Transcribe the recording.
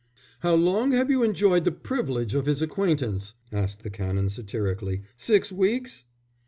"How long have you enjoyed the privilege of his acquaintance?" asked the Canon, satirically. "Six weeks?"